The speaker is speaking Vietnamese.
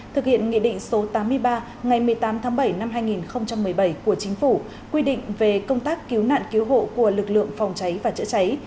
thực hiện nghị định số tám mươi ba ngày một mươi tám tháng bảy năm hai nghìn một mươi bảy của chính phủ quy định về công tác cứu nạn cứu hộ của lực lượng phòng cháy và chữa cháy